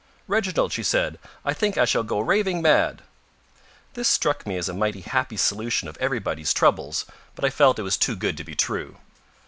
"Reginald," she said, "I think I shall go raving mad." This struck me as a mighty happy solution of everybody's troubles, but I felt it was too good to be true.